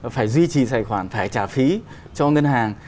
phải duy trì tài khoản phải trả phí cho ngân hàng